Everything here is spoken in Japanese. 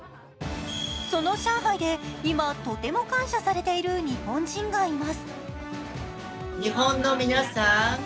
その上海で、今とても感謝されている日本人がいます。